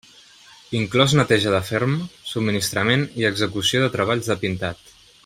Inclòs neteja de ferm, subministrament i execució de treballs de pintat.